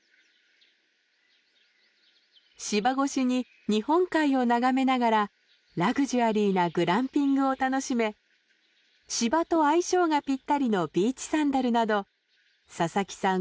芝ごしに日本海を眺めながらラグジュアリーなグランピングを楽しめ芝と相性がぴったりのビーチサンダルなど佐々木さん